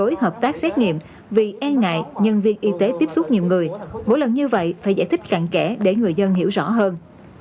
đối với hợp tác xét nghiệm vì e ngại nhân viên y tế tiếp xúc nhiều người mỗi lần như vậy phải giải thích cặn kẽ để người dân hiểu rõ hơn